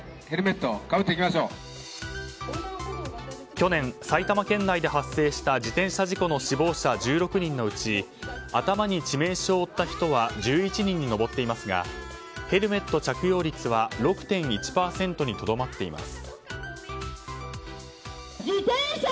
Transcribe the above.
去年埼玉県内で発生した自転車事故の死亡者１６人のうち頭に致命傷を負った人は１１人に上っていますがヘルメット着用率は６．１％にとどまっています。